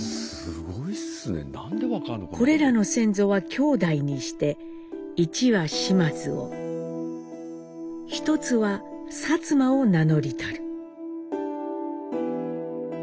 「之等の先祖は兄弟にして一は嶋津を一つは薩摩を名のりたる」。